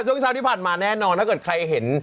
ช่วงเช้าที่ผ่านมาแน่นอนถ้าเกิดใครเห็น